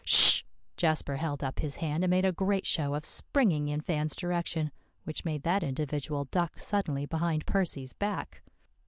"Sh!" Jasper held up his hand, and made a great show of springing in Van's direction, which made that individual duck suddenly behind Percy's back.